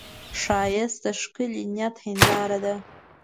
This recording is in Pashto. ښایست د ښکلي نیت هنداره ده